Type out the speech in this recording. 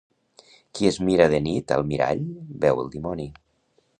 Qui es mira de nit al mirall veu el dimoni.